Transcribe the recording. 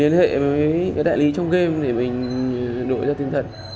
liên hệ với cái đại lý trong game để mình đổi ra tiền thật